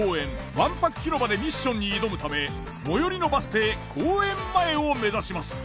わんぱく広場でミッションに挑むため最寄りのバス停公園前を目指します。